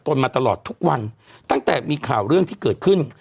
ยืนยันกับตนมาตลอดทุกวันตั้งแต่มีข่าวเรื่องที่เกิดขึ้น